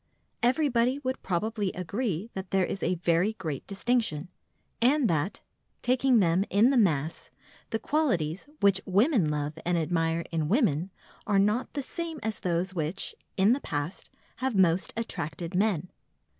Everybody would probably agree that there is a very great distinction, and that, taking them in the mass, the qualities which women love and admire in women are not the same as those which, in the past, have most attracted men.